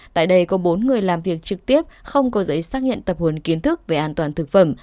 tại đây có bốn người làm việc trực tiếp không có giấy xác nhận tập huấn kiến thức về an toàn thực phẩm